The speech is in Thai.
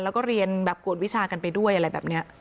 แล้วก็เรียนแบบกวดวิชากันไปด้วยอะไรแบบนี้